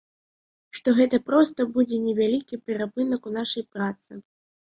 Што гэта проста будзе невялікі перапынак у нашай працы.